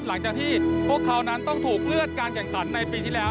หลังจากที่พวกเขานั้นต้องถูกเลื่อนการแข่งขันในปีที่แล้ว